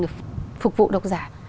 để phục vụ độc giả